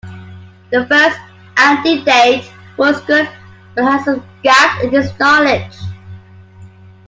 The first candidate was good but had some gaps in his knowledge.